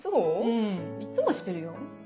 うんいっつもしてるよ。